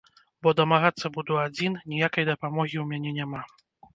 Бо дамагацца буду адзін, ніякай дапамогі ў мяне няма.